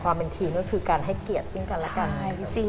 ความเป็นทีมก็คือการให้เกียรติสิ่งการรักการ